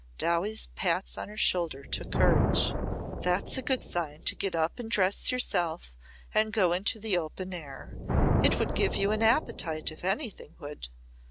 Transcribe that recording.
Dowie's pats on her shoulder took courage. "That's a good sign to get up and dress yourself and go into the open air. It would give you an appetite if anything would."